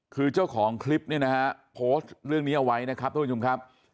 คือเจ้าของคลิปเนี่ยนะฮะโพสต์เรื่องนี้เอาไว้นะครับทุกผู้ชมครับ